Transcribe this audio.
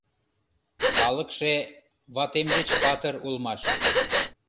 Калыкше ватем деч патыр улмаш.